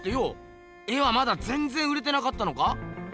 絵はまだぜんぜん売れてなかったのか？